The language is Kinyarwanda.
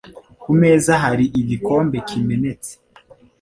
Ku meza hari igikombe kimenetse.